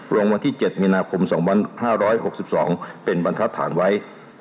รวมวันที่๗มินาคม๒๕๖๒เป็นบรรทธานไว้